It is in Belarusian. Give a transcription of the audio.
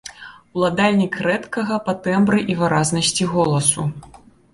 Уладальнік рэдкага па тэмбры і выразнасці голасу.